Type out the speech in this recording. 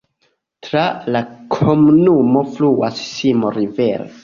Tra la komunumo fluas Simo-rivero.